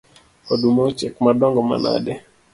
Oduma ochiek madongo manade